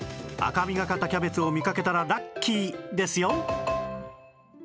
赤みがかったキャベツを見かけたらラッキーですよ